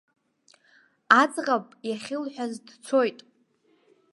Аӡӷаб иахьылҳәаз дцоит!